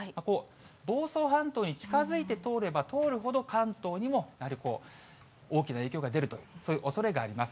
房総半島に近づいて通れば通るほど、関東にもやはり大きな影響が出ると、そういうおそれがあります。